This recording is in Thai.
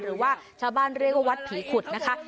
หรือว่าชาวบ้านเรียกว่าวัดผีขุดนะคะ